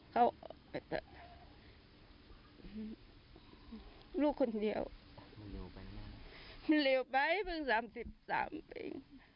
เขาลูกคนเดียวมันเร็วไปมันเร็วไปเพิ่งสามสิบสามปี